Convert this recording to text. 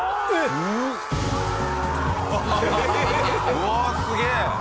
うわーすげえ！